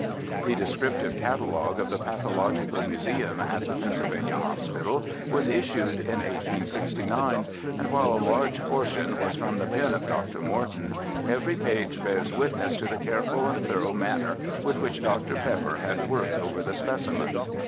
The descriptive catalogue of the Pathological Museum at the Pennsylvania Hospital was issued in 1869, and while a large portion was from the pen of Dr. Morton, every page bears witness to the careful and thorough manner with which Dr. Pepper had worked over the specimens.